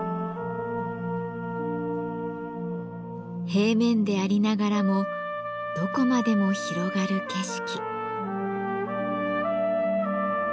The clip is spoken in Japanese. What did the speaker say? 平面でありながらもどこまでも広がる景色。